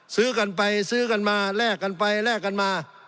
ซื้อกันไปซื้อกันมาแลกกันไปแลกกันมา